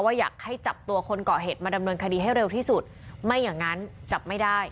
อยากให้จับตัวคนเกาะเหตุมาดำเนินคดีให้เร็วที่สุดไม่อย่างนั้นจับไม่ได้